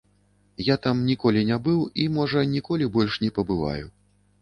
Я там ніколі не быў і, можа, ніколі, больш не пабываю.